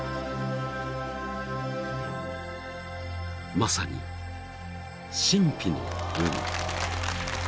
［まさに神秘の海］